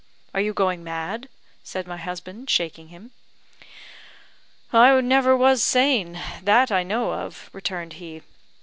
are you going mad?" said my husband, shaking him. "I never was sane, that I know of," returned he.